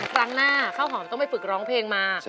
คลังหน้าเคราะห์อาหอมต้องไปฝึกร้องเพลงมา